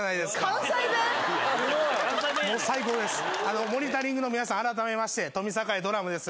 関西弁やねんモニタリングの皆さん改めまして富栄ドラムです